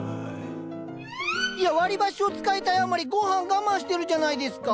いや割り箸を使いたいあまりごはん我慢してるじゃないですか。